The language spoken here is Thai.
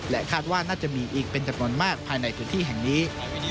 คาดว่าน่าจะมีอีกเป็นจำนวนมากภายในพื้นที่แห่งนี้